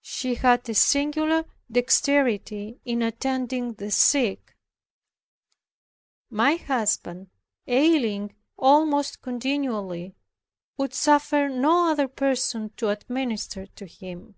She had a singular dexterity in attending the sick. My husband, ailing almost continually, would suffer no other person to administer to him.